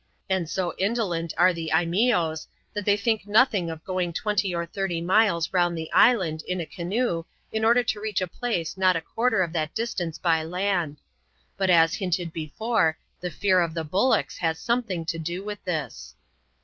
And so indolent are the Lneeose, that they think nothing of going twenty or thirty miles round the island, in a canoe, in order to reach a place not a quarter of that distance by land. But as tinted before, the fear of the bullocks has something to do with this.